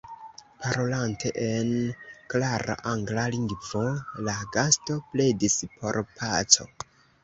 Parolante en klara angla lingvo, la gasto pledis por paco.